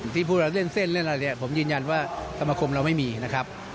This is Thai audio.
ที่พวกเราเล่นเส้นเล่นอะไรเนี่ยผมยืนยันว่าสมาคมเราไม่มีนะครับ